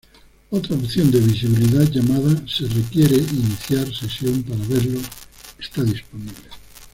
Otra opción de visibilidad llamada "se requiere iniciar sesión para verlo" está disponible.